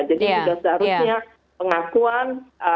jadi sudah seharusnya pengakuan